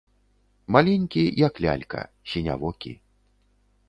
Маленькі, як лялька, сінявокі.